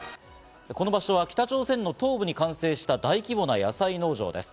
この場所は北朝鮮の東部に完成した大規模な野菜農場です。